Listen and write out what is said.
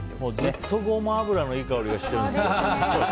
ずっとゴマ油のいい香りがしてるんですよ。